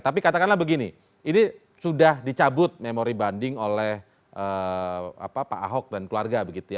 tapi katakanlah begini ini sudah dicabut memori banding oleh pak ahok dan keluarga begitu ya